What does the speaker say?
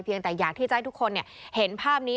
เพียงแต่อยากที่ใจทุกคนเห็นภาพนี้